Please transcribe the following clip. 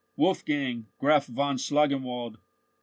WOLFGANG, Graf von Schlangenwald.